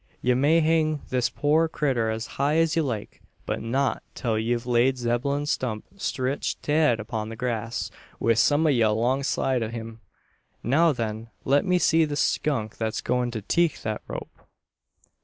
Ye may hang this poor critter as high's ye like; but not till ye've laid Zeb'lon Stump streetched dead upon the grass, wi' some o' ye alongside o' him. Now then! Let me see the skunk thet's goin' to tech thet rope!"